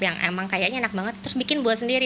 yang emang kayaknya enak banget terus bikin buat sendiri